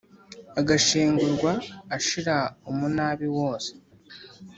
Agashengurwa ashira umunabi wose